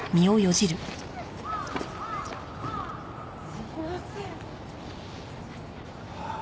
すいません。